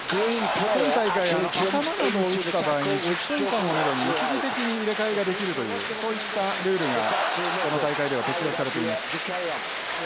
今大会頭などを打った場合に１０分間をめどに一時的に入れ替えができるというそういったルールがこの大会では適用されています。